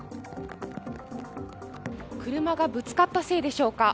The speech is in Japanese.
車がぶつかったせいでしょうか